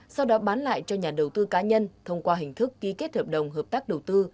sau đó bán lại cho nhà đầu tư cá nhân thông qua hình thức ký kết hợp đồng hợp tác đầu tư